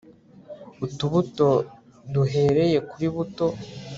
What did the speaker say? utubuto duhereye kuri buto